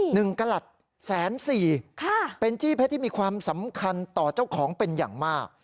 กระหลัดแสนสี่ค่ะเป็นจี้เพชรที่มีความสำคัญต่อเจ้าของเป็นอย่างมาก